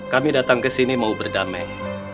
kami datang kesini mau berdamai